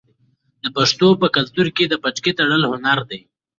د پښتنو په کلتور کې د پټکي تړل هنر دی.